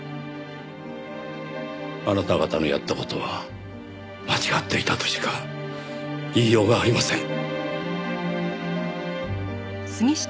あなた方のやった事は間違っていたとしか言いようがありません。